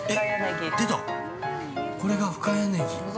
◆出た、これが深谷ねぎ。